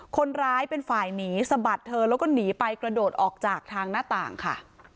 คนร้ายเป็นฝ่ายหนีสะบัดเธอแล้วก็หนีไปกระโดดออกจากทางหน้าต่างค่ะ